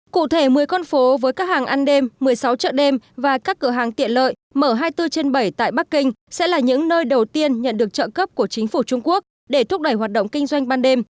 cụ thể một mươi con phố với các hàng ăn đêm một mươi sáu chợ đêm và các cửa hàng tiện lợi mở hai mươi bốn trên bảy tại bắc kinh sẽ là những nơi đầu tiên nhận được trợ cấp của chính phủ trung quốc để thúc đẩy hoạt động kinh doanh ban đêm